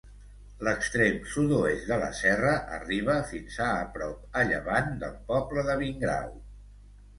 L'extrem sud-oest de la serra arriba fins a prop, a llevant, del poble de Vingrau.